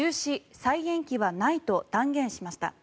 ・再延期はないと断言しました。